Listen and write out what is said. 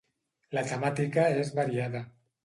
La temàtica és variada.